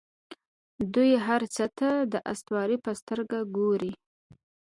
دوی هر څه ته د اسطورې په سترګه ګوري.